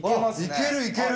いけるいける！